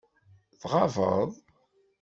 Tɣabeḍ.